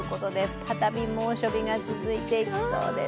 再び猛暑日が続いていきそうです。